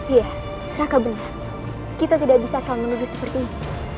iya raka benar kita tidak bisa asal menuduh seperti ini